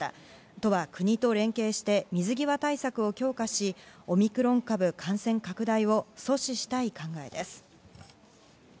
都は国と連携して水際対策を強化し、オミクロン株感染拡大を阻止したい考えです。